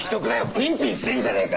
ピンピンしてんじゃねえか！